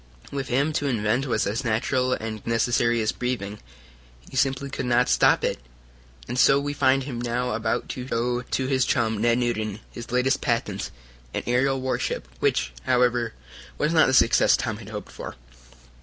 With him to invent was as natural and necessary as breathing. He simply could not stop it. And so we find him now about to show to his chum, Ned Newton, his latest patent, an aerial warship, which, however, was not the success Tom had hoped for.